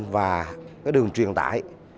và đường truyền tài